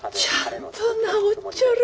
ちゃんと直っちょる。